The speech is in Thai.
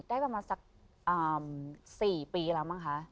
ได้ประมาณสัก๔ปีแล้วมั้งคะ